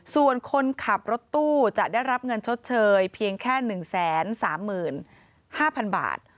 ส่วนคนขับรถตู้จะได้รับเงินชดเชยเพียงแค่๑๓๕๐๐๐บาท